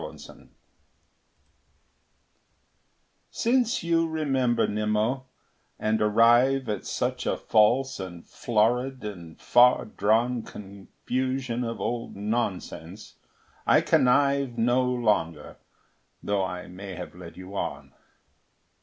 Nimmo Since you remember Nimmo, and arrive At such a false and florid and far drawn Confusion of odd nonsense, I connive No longer, though I may have led you on.